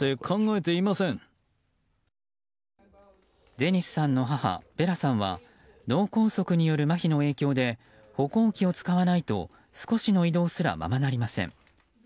デニスさんの母ベラさんは脳梗塞による、まひの影響で歩行器を使わないと少しの移動すらままなりません。